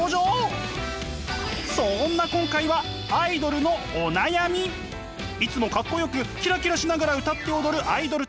そんな今回はいつもかっこよくキラキラしながら歌って踊るアイドルたち